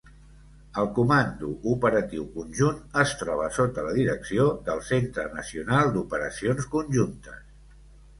El Comando operatiu Conjunt es troba sota la direcció del Centre Nacional d'Operacions Conjuntes.